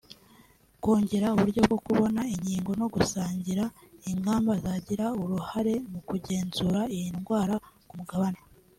kongera uburyo bwo kubona inkingo no gusangira ingamba zagira uruhare mu kugenzura iyi ndwara ku mugabane